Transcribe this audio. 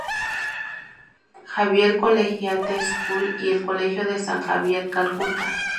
Xavier Collegiate School y el Colegio de San Javier, Calcuta.